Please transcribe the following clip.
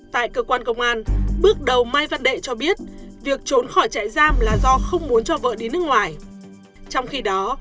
tại cơ quan công an bước đầu mai văn đệ cho biết việc trốn khỏi chạy giam là do không muốn cho vợ đi nước ngoài